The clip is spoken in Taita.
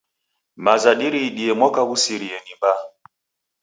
Maza diriidie mwaka ghusirie ni mbaa.